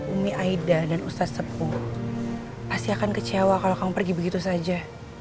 umi aida dan ustadz sepuh pasti akan kecewa kalau kamu pergi begitu saja